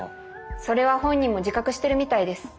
それは本人も自覚してるみたいです。